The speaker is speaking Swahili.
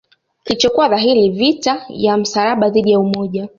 kilichokuwa dhahiri vita ya msalaba dhidi ya umoja